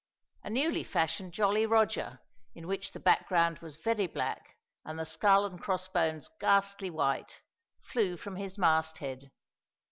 A newly fashioned Jolly Roger, in which the background was very black and the skull and cross bones ghastly white, flew from his masthead.